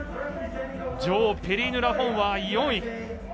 女王ペリーヌ・ラフォンは４位。